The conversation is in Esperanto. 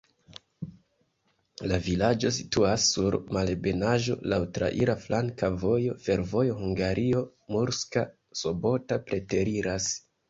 La vilaĝo situas sur malebenaĵo, laŭ traira flanka vojo, fervojo Hungario-Murska Sobota preteriras.